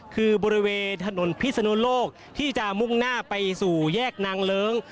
คือบริเวณถนนพิศนุโลกที่จะมุ่งหน้าไปสู่แยกนางเลิ้ง